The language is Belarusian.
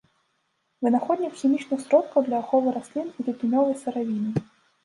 Вынаходнік хімічных сродкаў для аховы раслін і тытунёвай сыравіны.